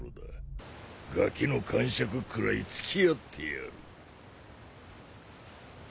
がきのかんしゃくくらい付き合ってやる。